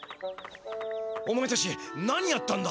おまえたち何やったんだ？